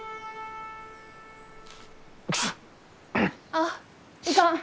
あっいかん！